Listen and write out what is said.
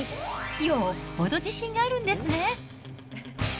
よっぽど自信があるんですね。